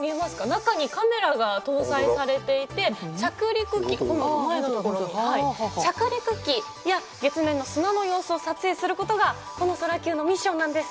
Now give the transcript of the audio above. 中にカメラが搭載されていて、着陸機や、月面の砂の様子を撮影することが、このソラキューのミッションなんです。